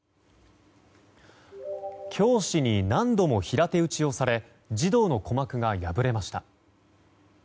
教師に何度も平手打ちをされ児童の鼓膜が破れました。